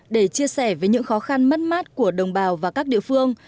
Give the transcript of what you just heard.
để chia sẻ với những khó khăn mất mát của đồng bào và các địa phương